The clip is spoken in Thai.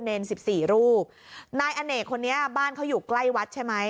สิบสี่รูปนายอเนกคนนี้บ้านเขาอยู่ใกล้วัดใช่ไหม